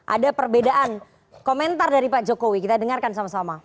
ada perbedaan komentar dari pak jokowi kita dengarkan sama sama